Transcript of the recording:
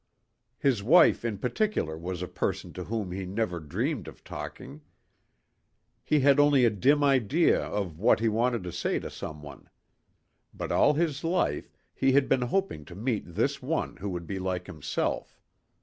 His wife in particular was a person to whom he never dreamed of talking. He had only a dim idea of what he wanted to say to someone. But all his life he had been hoping to meet this one who would be like himself.